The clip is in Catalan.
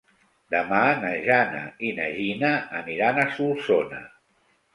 Demà na Jana i na Gina aniran a Solsona.